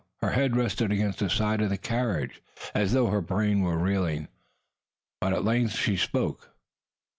Her head rested against the side of the carriage as though her brain were reeling. But at length she spoke.